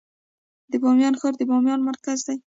د بامیان ښار د بامیان مرکز دی